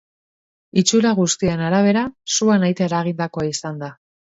Itxura guztien arabera, sua nahita eragindakoa izan da.